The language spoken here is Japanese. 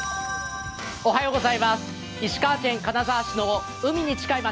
石川県金沢市の海に近い町